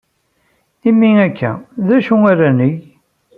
Imi akka, d acu ara neg?